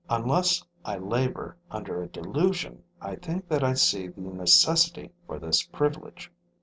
Unless I labor under a delusion, I think that I see the necessity for this privilege.